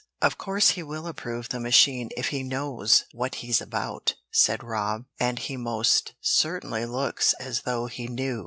"Of course he will approve the machine if he knows what he's about," said Rob, "and he most certainly looks as though he knew."